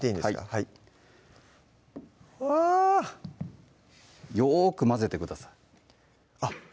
はいあよく混ぜてくださいあっ